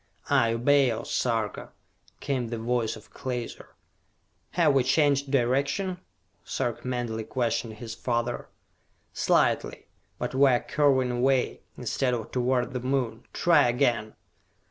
"I obey, O Sarka!" came the voice of Klaser. "Have we changed direction?" Sarka mentally questioned his father. "Slightly, but we are curving away, instead of toward the Moon! Try again!"